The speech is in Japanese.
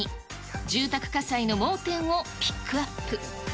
住宅火災の盲点をピックアップ。